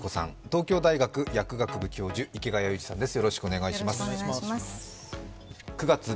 東京大学薬学部教授、池谷裕二さんです。